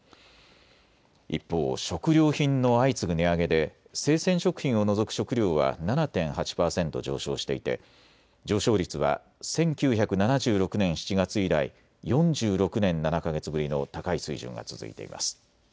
一方、食料品の相次ぐ値上げで生鮮食品を除く食料は７．８％上昇していて上昇率は１９７６年７月以来４６年７か月ぶりの高い水準が続いています。